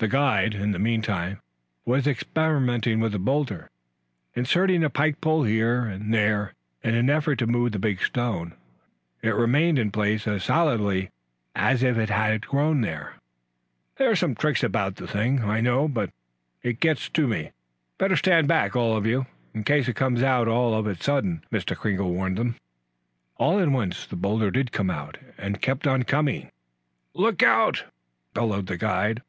The guide, in the meantime, was experimenting with the boulder, inserting a pike pole here and there in an effort to move the big stone. It remained in place as solidly as if it had grown there. "There's some trick about the thing, I know, but what it is gets me. Better stand back, all of you, in case it comes out all of a sudden," Mr. Kringle warned them. All at once the boulder did come out, and it kept on coming. "Look out!" bellowed the guide.